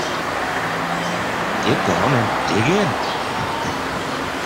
Get down and dig in.